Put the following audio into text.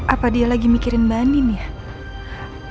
apa dia lagi mikirin bani nih